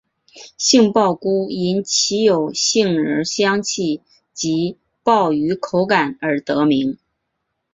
杏鲍菇因其有杏仁香气及鲍鱼口感而得名。